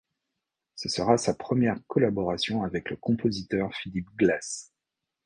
Ce sera sa première collaboration avec le compositeur Philip Glass.